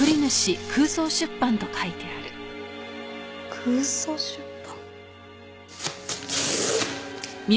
「空想出版」？